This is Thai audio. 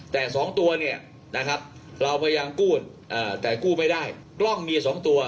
แต่สองตัวเนี่ยนะครับเราพยายามกู้แต่กู้ไม่ได้กล้องมี๒ตัว